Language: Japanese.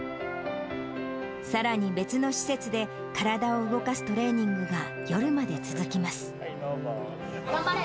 さらに別の施設で体を動かすトレーニングが夜まで続きます。